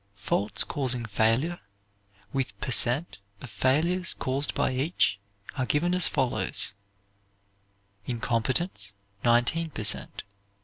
Faults causing failure, with per cent. of failures caused by each, are given as follows: incompetence, 19 per cent.